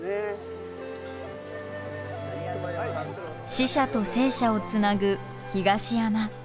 死者と生者をつなぐ東山。